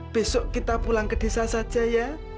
besok kita pulang ke desa saja ya